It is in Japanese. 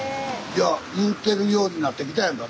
言うてるようになってきたやんか。